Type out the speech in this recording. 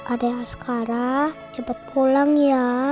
adik asgara cepat pulang ya